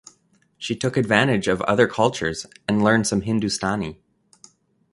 She took advantage of other cultures and learned some Hindustani.